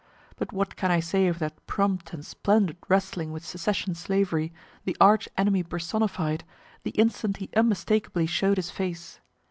But what can I say of that prompt and splendid wrestling with secession slavery, the arch enemy personified, the instant he unmistakably show'd his face?